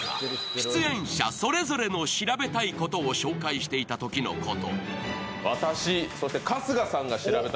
出演者それぞれの調べたいことを紹介していたときのこと。